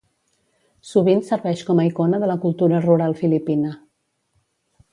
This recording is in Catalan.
Sovint serveix com a icona de la cultura rural filipina.